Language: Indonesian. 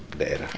dalam daerah iya